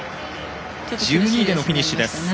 １２位でのフィニッシュです。